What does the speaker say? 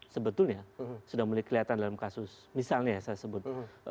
sebetulnya sudah mulai kelihatan dalam kasus misalnya ya saya sebut